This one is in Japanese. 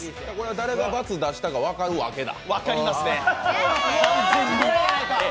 誰が×出したか分かるわけだ。